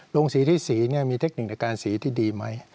โรงสีที่สีมีเทคนิคในการสีที่ดีไหม